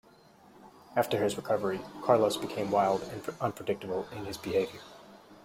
After his recovery, Carlos became wild and unpredictable in his behavior.